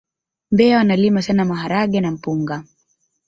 mbeya wanalima sana maharage na mpunga